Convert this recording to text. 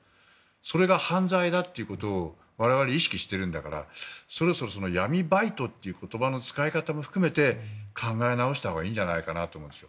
それが犯罪だということを我々、意識してるんだからそろそろ闇バイトという言葉の使い方も含めて考え直したほうがいいんじゃないかって思うんです。